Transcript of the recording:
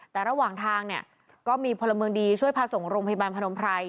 แต่ระหว่างทางเนี่ยก็มีพลเมืองดีช่วยพาส่งโรงพยาบาลพนมไพร